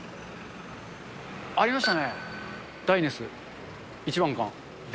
ありましたね。